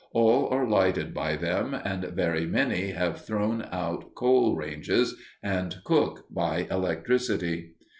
All are lighted by them and very many have thrown out coal ranges and cook by electricity.